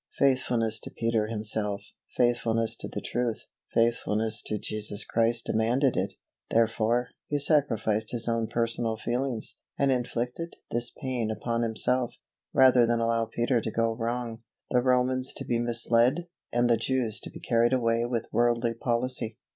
Faithfulness to Peter himself, faithfulness to the truth, faithfulness to Jesus Christ demanded it; therefore, he sacrificed his own personal feelings, and inflicted this pain upon himself, rather than allow Peter to go wrong, the Romans to be misled, and the Jews to be carried away with worldly policy.